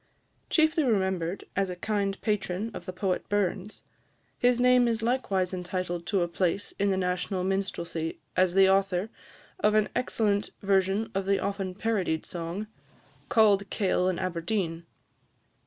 Chiefly remembered as a kind patron of the poet Burns, his name is likewise entitled to a place in the national minstrelsy as the author of an excellent version of the often parodied song, "Cauld Kail in Aberdeen."